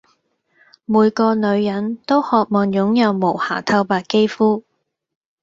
每個女人都渴望擁有無瑕透白肌膚